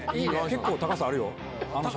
結構高さあるよあの尺。